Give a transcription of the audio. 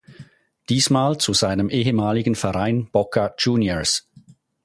Diesmal zu seinem ehemaligen Verein Boca Juniors.